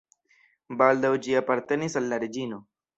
Baldaŭ ĝi apartenis al la reĝino.